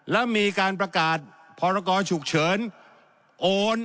และมีการประกาศพรกรฉุกเฉินโอน